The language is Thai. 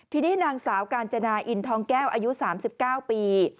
ทีนี้นางสาวกาญจนาอินทองแก้วอายุ๓๙ปี